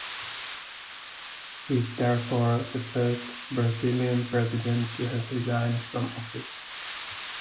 He is therefore the first Brazilian President to have resigned from office.